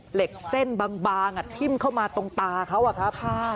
เหล็กเส้นบางทิ้มเข้ามาตรงตาเขาอะครับ